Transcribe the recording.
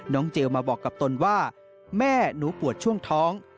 เจลมาบอกกับตนว่าแม่หนูปวดช่วงท้อง